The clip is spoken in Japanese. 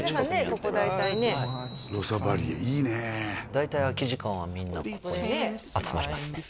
ここ大体ねロサバリエいいね大体空き時間はみんなここに集まりますね